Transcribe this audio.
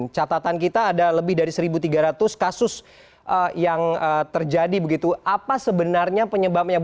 catatan kita ada lebih dari satu tiga ratus kasus yang terjadi begitu apa sebenarnya penyebabnya